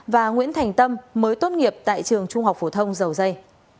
và nguyễn thành tâm mới tốt nghiệp tại trường trung học phổ thông dầu dây